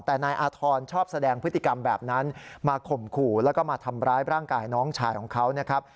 แต่นายอาธรณ์ชอบแสดงพฤติกรรมแบบนั้นมาข่มขู่แล้วก็มาทำร้ายร่างกายน้องชายของเขานะครับ